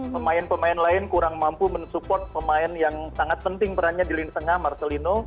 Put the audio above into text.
pemain pemain lain kurang mampu mensupport pemain yang sangat penting perannya di lini tengah marcelino